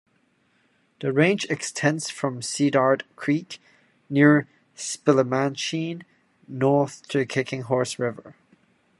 The range extends from Cedared Creek near Spillimacheen north to the Kicking Horse River.